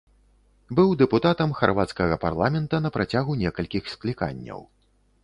Быў дэпутатам харвацкага парламента на працягу некалькіх скліканняў.